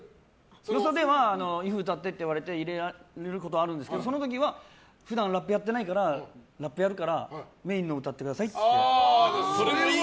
よそでは、「ｉｆ．．．」歌ってって言われて入れられることあるんですけどその時は普段ラップやってないからラップやるからメインのほうを歌ってくださいって。